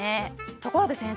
ところで先生